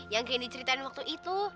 yang greendy ceritain waktu itu